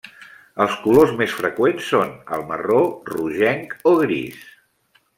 Els colors més freqüents són el marró, rogenc o gris.